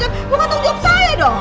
tunggu tunggu saya dong